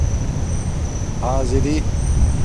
حآضِری